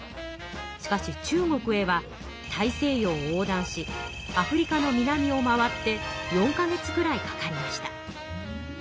しかし中国へは大西洋を横断しアフリカの南を回って４か月くらいかかりました。